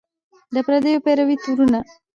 د پردیو پیروۍ تورونه